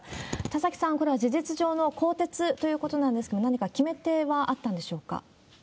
田崎さん、これは事実上の更迭ということなんですけれども、何か決め手はあったんでしょうか？